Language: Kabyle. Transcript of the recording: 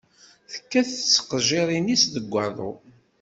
Tekkat s tqejjirin-is deg waḍu.